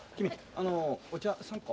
あのお茶３個。